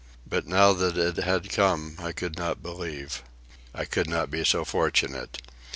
But now that it had come I could not believe. I could not be so fortunate.